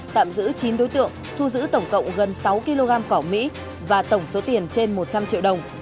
tạm giữ chín đối tượng thu giữ tổng cộng gần sáu kg cỏ mỹ và tổng số tiền trên một trăm linh triệu đồng